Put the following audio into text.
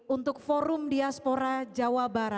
untuk forum diaspora jawa